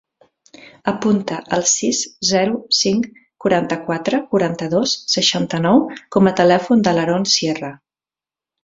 Apunta el sis, zero, cinc, quaranta-quatre, quaranta-dos, seixanta-nou com a telèfon de l'Haron Sierra.